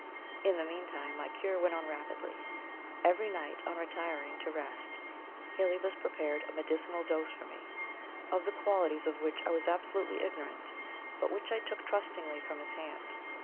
In the meantime my cure went on rapidly. Every night on retiring to rest Heliobas prepared a medicinal dose for me, of the qualities of which I was absolutely ignorant, but which I took trustingly from his hand.